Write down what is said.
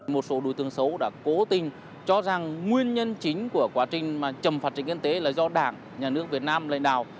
một số đối tượng xấu đã cố tình cho rằng nguyên nhân chính của quá trình chầm phạt trình yên tế là do đảng nhà nước việt nam lãnh đạo